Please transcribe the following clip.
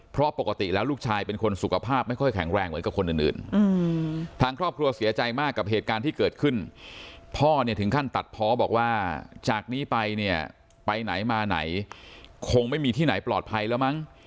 เพราะปกติแล้วลูกชายเป็นคนสุขภาพไม่ค่อยแข็งแรงเหมือนกับคนอื่นอื่น